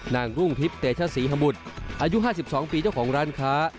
นางรุ่งทริปเตชศรีฮะหมุดอายุ๕๒ปีเจ้าของร้านค้า